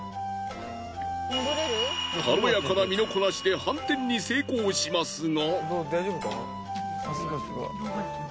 軽やかな身のこなしで反転に成功しますが。